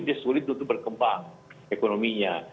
disuruh itu untuk berkembang ekonominya